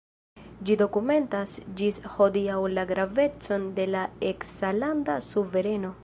Ĝi dokumentas ĝis hodiaŭ la gravecon de la eksa landa suvereno.